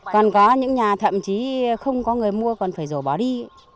còn có những nhà thậm chí không có người mua còn phải rổ bỏ đi